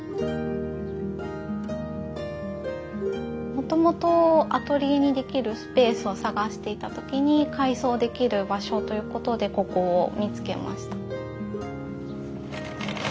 もともとアトリエにできるスペースを探していた時に改装できる場所ということでここを見つけました。